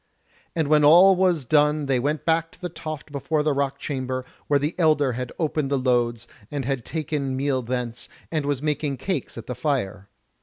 And when all was done they went back to the toft before the rock chamber, where the elder had opened the loads, and had taken meal thence, and was making cakes at the fire.